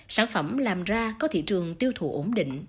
sản phẩm làm ra có thị trường tiêu thụ ổn định